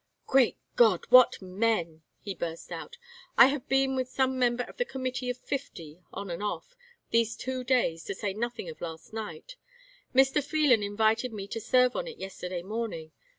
"Great God, what men!" he burst out. "I have been with some member of the Committee of Fifty, on and off, these two days, to say nothing of last night Mr. Phelan invited me to serve on it yesterday morning.